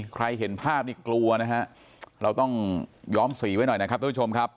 เห็นภาพนี่กลัวนะฮะเราต้องย้อมสีไว้หน่อยนะครับทุกผู้ชมครับ